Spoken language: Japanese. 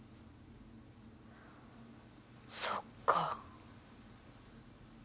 そっか。